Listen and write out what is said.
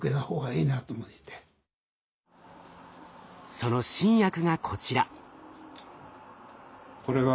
その新薬がこちら。